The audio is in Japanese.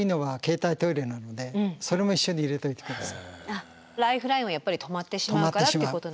あとかさばるけど軽いのはライフラインはやっぱり止まってしまうからってことなんですね。